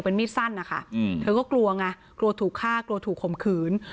เป็นมีดสั้นนะคะเธอก็กลัวไงกลัวถูกฆ่ากลัวถูกข่มขืน